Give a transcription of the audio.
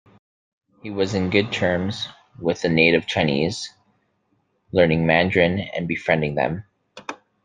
He was in good terms with the native Chinese, learning Mandarin and befriending them.